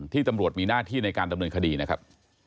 ตำรวจมีหน้าที่ในการดำเนินคดีนะครับ